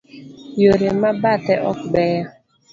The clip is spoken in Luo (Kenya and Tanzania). Yore ma bathe ok beyo.